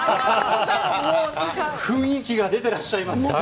雰囲気が出ていらっしゃいますね。